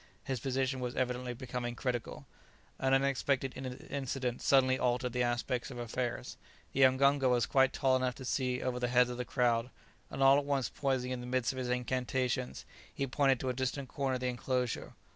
His position was evidently becoming critical. An unexpected incident suddenly altered the aspect of affairs. The mganga was quite tall enough to see over the heads of the crowd, and all at once pausing in the midst of his incantations, he pointed to a distant corner of the enclosure.